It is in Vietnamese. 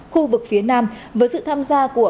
khu vực phía nam với sự tham gia của